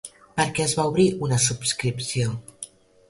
Per a què es va obrir una subscripció?